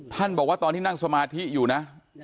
บอกว่าตอนที่นั่งสมาธิอยู่นะ